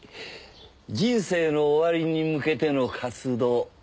人生の終わりに向けての活動。